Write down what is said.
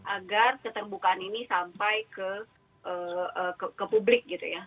agar keterbukaan ini sampai ke publik gitu ya